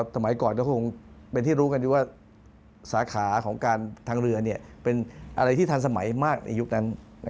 ชนิดที่ทันสมัยมากในยุคนั้น